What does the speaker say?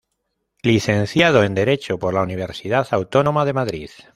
Licenciado en Derecho por la Universidad Autónoma de Madrid.